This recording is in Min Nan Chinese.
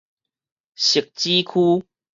汐止區